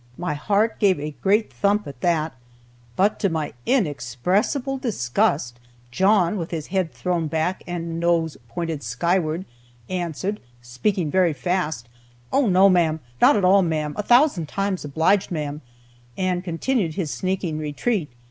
My heart gave a great thump at that, but, to my inexpressible disgust, John, with his head thrown back and nose pointed skyward, answered, speaking very fast, 'Oh, no, ma'am, not at all, ma'am, a thousand times obleeged, ma'am,' and continued his sneaking retreat.